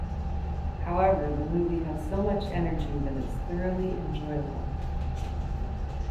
However, the movie has so much energy that it's thoroughly enjoyable.